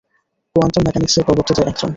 Quantum মেকানিক্সের প্রবক্তাদের এক জন।